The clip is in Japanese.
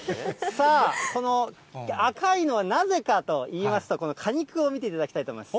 その赤いのはなぜかといいますと、この果肉を見ていただきたいと思います。